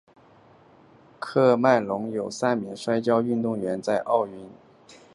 喀麦隆有三名摔跤运动员在奥运摔跤非洲与大洋洲区预选赛上获得参赛资格。